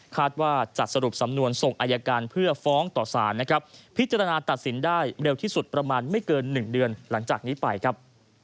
ว่าจะสรุปสำนวนส่งอายการเพื่อฟ้องต่อสารนะครับพิจารณาตัดสินได้เร็วที่สุดประมาณไม่เกิน๑เดือนหลังจากนี้ไปครับ